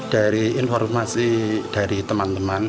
dari informasi dari teman teman